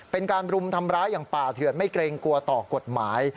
เป็นการรุมทำร้ายอย่างป่าเถื่อนไม่เกรงกลัวต่อกฎหมาย